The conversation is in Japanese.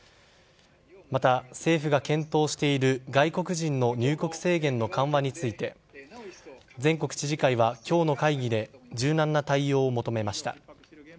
また、政府が検討している外国人の入国制限の緩和について全国知事会は今日の会議で柔軟な対応を求めました。